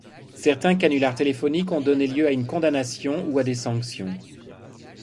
Certains canulars téléphoniques ont donné lieu à une condamnation ou à des sanctions.